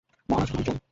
মহারাজ গুরুর জয়।